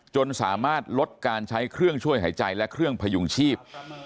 จนสามารถลดการใช้เครื่องช่วยหายใจและเครื่องพยุงชีพ